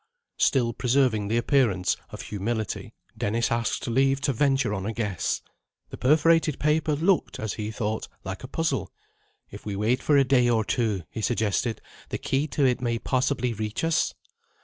Still preserving the appearance of humility, Dennis asked leave to venture on a guess. The perforated paper looked, as he thought, like a Puzzle. "If we wait for a day or two," he suggested, "the Key to it may possibly reach us."